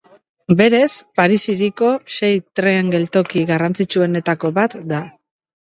Berez, Paris hiriko sei tren geltoki garrantzitsuenetako bat da.